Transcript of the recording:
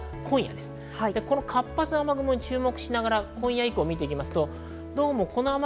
この活発な雨雲に注目しながら見ていきます。